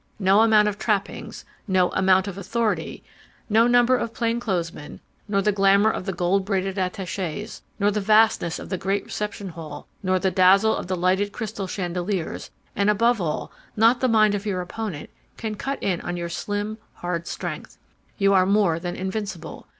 No amount of trappings, no amount of authority, no number of plainclothes men, nor the glamour of the gold braided attaches, nor the vastness of the great reception hall, nor the dazzle of the lighted crystal chandeliers, and above all not the mind of your opponent can cut in on your slim, hard strength. You are more than invincible.